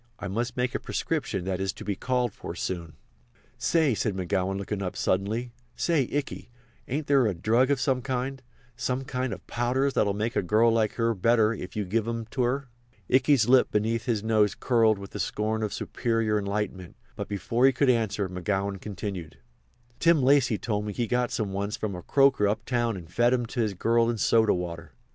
"I must make a prescription that is to be called for soon." "Say," said McGowan, looking up suddenly, "say, Ikey, ain't there a drug of some kind—some kind of powders that'll make a girl like you better if you give 'em to her?" Ikey's lip beneath his nose curled with the scorn of superior enlightenment; but before he could answer, McGowan continued: "Tim Lacy told me he got some once from a croaker uptown and fed 'em to his girl in soda water.